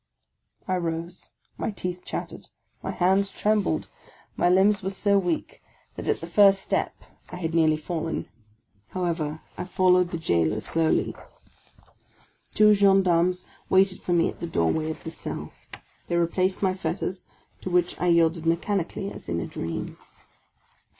I rose: my teeth chattered, my hands trembled, my limbs to THE LAST DAY were so weak that at the first step I had nearly fallen; how ever, I followed the jailor slowly. Two gendarmes waited for me at the door way of the cell ; they replaced my fetters, to which I yielded mechanically, as in a dream.